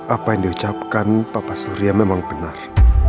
apa yang diucapkan papa surya memang benar